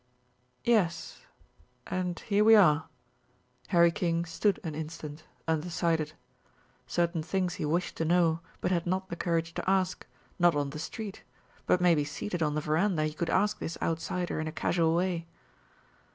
"Yes, and here we are." Harry King stood an instant undecided. Certain things he wished to know, but had not the courage to ask not on the street but maybe seated on the veranda he could ask this outsider, in a casual way.